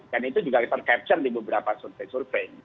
dan itu juga tercapture di beberapa survei survei